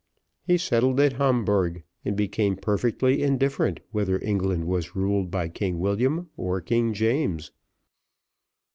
He settled at Hamburgh, and became perfectly indifferent whether England was ruled by King William or King James.